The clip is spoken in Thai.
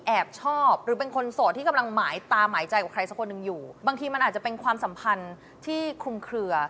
อันนี้มันอาจจะเป็นความสัมพันธ์ที่คุมเคลือ